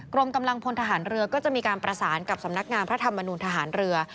กรมกำลังพลทหารเรือก็จะมีการประสานกับสำนักงานพระธรรมนูลทหารเรือ